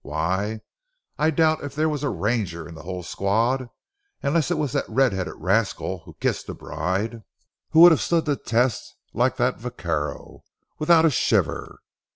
Why, I doubt if there was a ranger in the whole squad, unless it was that red headed rascal who kissed the bride, who would have stood the test like that vaquero—without a shiver.